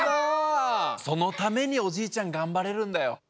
そのためにおじいちゃんがんばれるんだよ。